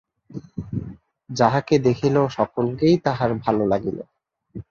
যাহাকে দেখিল, সকলকেই তাহার ভাল লাগিল।